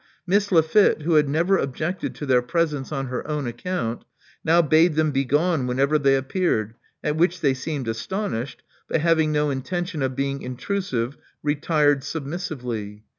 Miss Lafitte, who had never objected to their presence on her own accoimt, now bade them begone whenever they appeared, at which they seemed astonished, but having no intention of being intrusive, retired submissively.